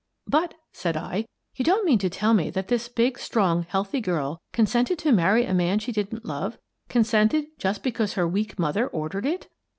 " But," said I, " you don't mean to tell me that this big, strong, healthy girl consented to marry a man she didn't love — consented just because her weak mother ordered it?"